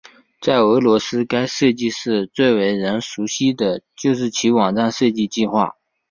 在俄罗斯该设计室最为人熟悉就是其网站设计计划。